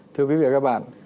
thưa quý vị và các bạn